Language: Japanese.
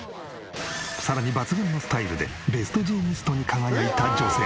さらに抜群のスタイルでベストジーニストに輝いた女性。